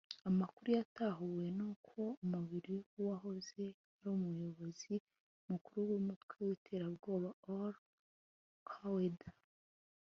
Amakuru yatahuwe ni uko umubiri w’uwahoze ari Umuyobozi Mukuru w’Umutwe w’Iterabwoba Al Qaeda